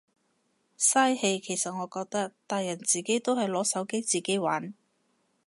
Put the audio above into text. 嘥氣其實我覺得，大人自己都係攞手機自己玩。